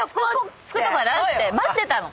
待ってたの。